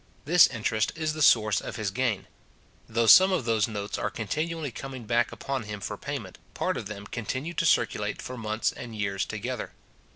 This interest is the source of his gain. Though some of those notes are continually coming back upon him for payment, part of them continue to circulate for months and years together.